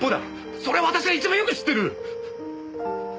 それは私が一番よく知ってる！